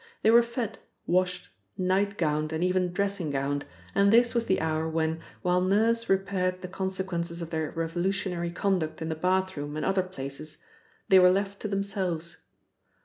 They were fed, washed, night gowned, and even dressing gowned; and this was the hour when, while Nurse repaired the consequences of their revolutionary conduct in the bathroom and other places, they were left to themselves.